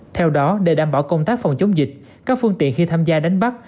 theo đó để đảm bảo công tác phòng chống dịch các phương tiện khi tham gia đánh bắt